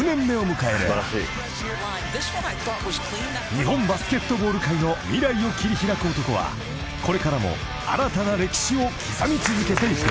［日本バスケットボール界の未来を切り開く男はこれからも新たな歴史を刻み続けていく］